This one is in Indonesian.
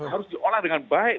harus diolah dengan baik